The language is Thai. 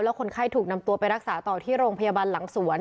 คนไข้ถูกนำตัวไปรักษาต่อที่โรงพยาบาลหลังสวน